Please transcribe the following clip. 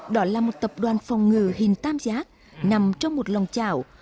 đó là một tập đoàn phòng ngừa hình tam giác nằm trong một lòng chảo